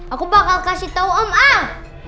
aku bakal kasih tau om ah